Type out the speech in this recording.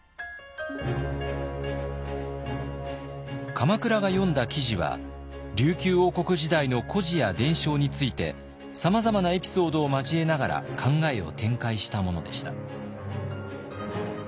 鎌倉が読んだ記事は琉球王国時代の故事や伝承についてさまざまなエピソードを交えながら考えを展開したものでした。